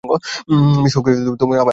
Miss হাউকে আমার ভালবাসা জানাবে।